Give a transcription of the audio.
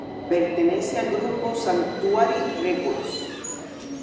Pertenece al grupo Sanctuary Records.